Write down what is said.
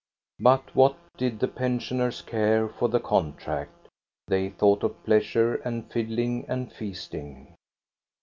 But what did the pensioners care for the contract? They thought of pleasure and fiddling and feasting.